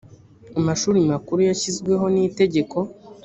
amashuri makuru yashyizweho n itegeko